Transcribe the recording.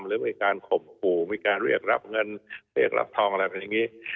หรือมีการขบผูมีการเรียกรับเงินเรียกรับทองอะไรแบบนี้